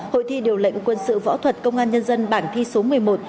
hội thi điều lệnh quân sự võ thuật công an nhân dân bảng thi số một mươi một